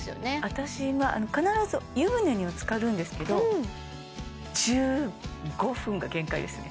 私は必ず湯船にはつかるんですけど１５分が限界ですね